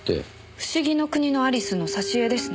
『不思議の国のアリス』の挿絵ですね。